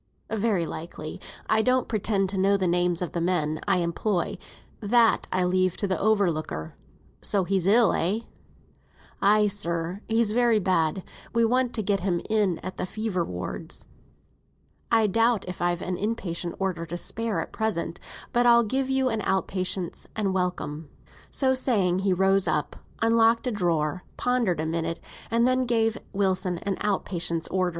"Very likely; I don't pretend to know the names of the men I employ; that I leave to the overlooker. So he's ill, eh?" "Ay, sir, he's very bad; we want to get him in at the fever wards. "I doubt if I have an in patient's order to spare; they're always wanted for accidents, you know. But I'll give you an out patient's, and welcome." So saying, he rose up, unlocked a drawer, pondered a minute, and then gave Wilson an out patient's order to be presented the following Monday.